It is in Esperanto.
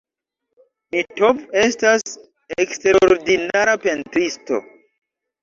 Mitov estas eksterordinara pentristo.